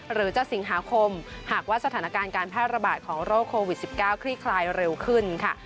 หรือจะสิงหาคมหากว่าสถานการณ์การแพร่ระบาดของโรคโควิด๑๙คลี่คลายเร็วขึ้นค่ะ